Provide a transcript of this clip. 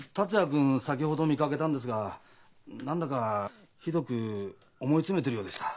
君先ほど見かけたんですが何だかひどく思い詰めてるようでした。